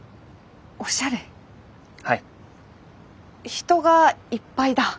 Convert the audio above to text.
人がいっぱいだ。